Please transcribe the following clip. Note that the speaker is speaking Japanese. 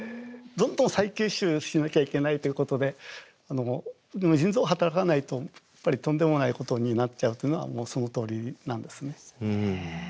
どんどん再吸収しなきゃいけないということで腎臓が働かないとやっぱりとんでもないことになっちゃうというのはもうそのとおりなんですね。